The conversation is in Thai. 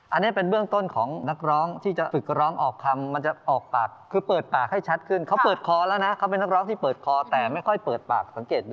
อันนี้เป็นเบื้องต้นของนักร้องที่จะฝึกร้องออกคำมันจะออกปาก